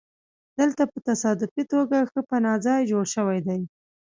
دلته په تصادفي توګه ښه پناه ځای جوړ شوی دی